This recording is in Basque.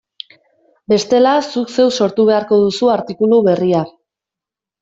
Bestela, zuk zeuk sortu beharko duzu artikulu berria.